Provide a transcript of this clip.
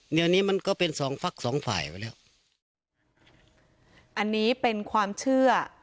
เดี๋ยวนี้มันก็เป็นสองฟักสองฝ่ายไว้แล้วอันนี้เป็นความเชื่อ